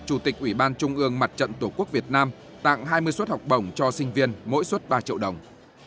chủ tịch ủy ban trung ương mặt trận tổ quốc việt nam tặng hai mươi suất học bổng cho sinh viên mỗi suất ba triệu đồng